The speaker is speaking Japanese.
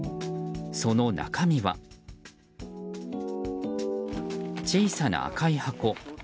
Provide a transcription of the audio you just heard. その中身は、小さな赤い箱。